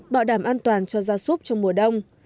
bảo đảm an toàn cho gia súc trong mùa đông